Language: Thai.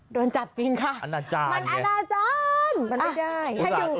โดนจับจริงค่ะมันอาจารย์อะเนี่ยให้ดู